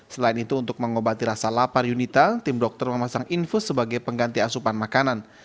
selain itu untuk mengobati rasa lapar yunita tim dokter memasang infus sebagai pengganti asupan makanan